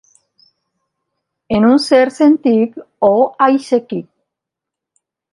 En un cert sentit, ho aixequi.